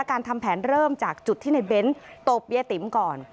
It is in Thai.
การทำแผนเริ่มจากจุดที่ในเบ้นตบเยติ๋มก่อน